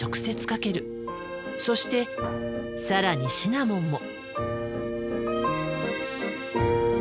そして更にシナモンも。